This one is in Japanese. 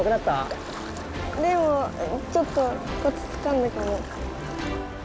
レイもちょっとコツつかんだかも。